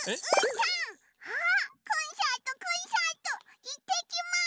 キャハ！コンサートコンサート！いってきます！